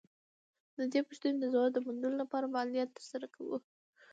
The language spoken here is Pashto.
د دې پوښتنې د ځواب د موندلو لپاره فعالیت تر سره کوو.